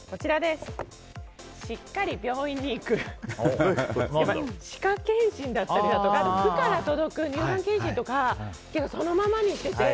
しっかり病院に行く。歯科検診だったり都から届く乳がん検診とかそのままにしてて。